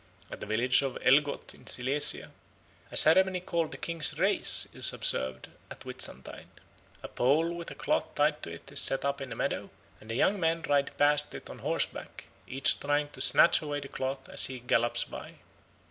At the village of Ellgoth in Silesia a ceremony called the King's Race is observed at Whitsuntide. A pole with a cloth tied to it is set up in a meadow, and the young men ride past it on horseback, each trying to snatch away the cloth as he gallops by.